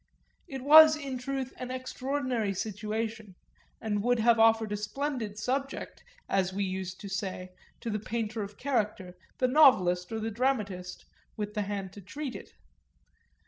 It was in truth an extraordinary situation and would have offered a splendid subject, as we used to say, to the painter of character, the novelist or the dramatist, with the hand to treat it.